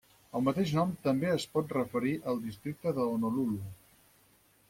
El mateix nom també es pot referir al districte de Honolulu.